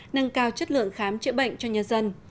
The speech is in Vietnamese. nâng cao chất lượng khám chữa bệnh cho nhân dân